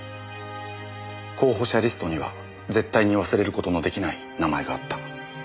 候補者リストには絶対に忘れる事の出来ない名前があった。